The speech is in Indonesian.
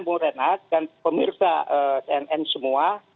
bu renat dan pemirsa cnn semua